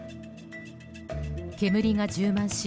煙が充満し